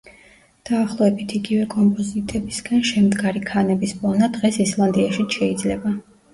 დაახლოებით იგივე კომპოზიტებისგან შემდგარი ქანების პოვნა დღეს ისლანდიაშიც შეიძლება.